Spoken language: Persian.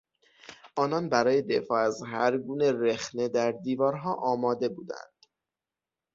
آنان برای دفاع از هر گونه رخنه در دیوارها آماده بودند.